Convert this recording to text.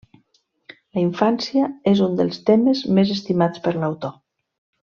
La infància és un dels temes més estimats per l'autor.